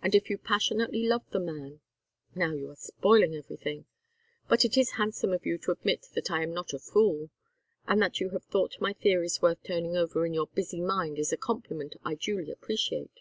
And if you passionately loved the man " "Now you are spoiling everything. But it is handsome of you to admit that I am not a fool; and that you have thought my theories worth turning over in your busy mind is a compliment I duly appreciate."